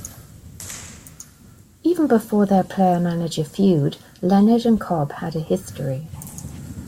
Even before their player-manager feud, Leonard and Cobb had a history.